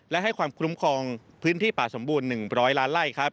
และให้ความคุ้มครองพื้นที่ป่าสมบูรณ์๑๐๐ล้านไล่ครับ